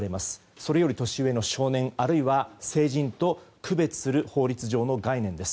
それより年上の少年あるいは成人と区別する法律上の概念です。